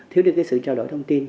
thiếu đi cái sự trao đổi thông tin